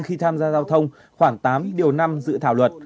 khi tham gia giao thông khoảng tám điều năm dự thảo luật